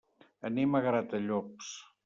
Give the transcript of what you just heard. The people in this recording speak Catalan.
Anem a Gratallops.